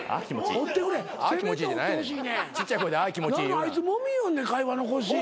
何かあいつもみよんねん会話の腰。